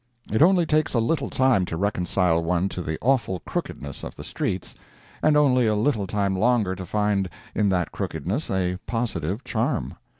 It only takes a little time to reconcile one to the awful crookedness of the streets—and only a little time longer to find in that crookedness a positive charm.